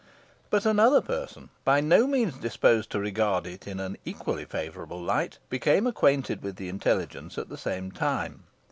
But another person, by no means disposed to regard it in an equally favourable light became acquainted with the intelligence at the same time.